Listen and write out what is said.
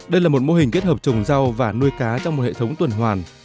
đây là một mô hình kết hợp trồng rau và nuôi cá trong một hệ thống tuần hoàn